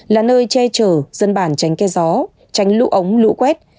là nơi che chở dân bản tránh kê gió tránh lũ ống lũ quét